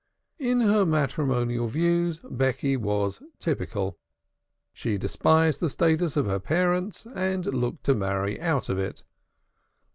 In her matrimonial views Becky was typical. She despised the status of her parents and looked to marry out of it.